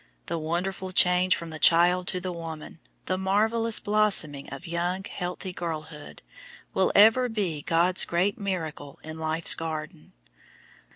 The wonderful change from the child to the woman, the marvelous blossoming of young, healthy girlhood, will ever be God's great miracle in life's garden.